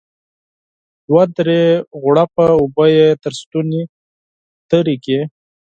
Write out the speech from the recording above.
دوه درې غوړپه اوبه يې تر ستوني تېرې کړې.